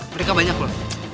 mereka banyak loh